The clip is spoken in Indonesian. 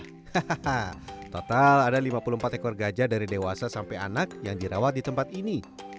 hahaha total ada lima puluh empat ekor gajah dari dewasa sampai anak yang dirawat di tempat ini